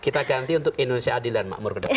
kita ganti untuk indonesia adil dan makmur